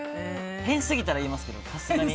変すぎたら言いますけどさすがに。